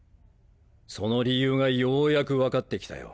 その理由がようやく分かって来たよ。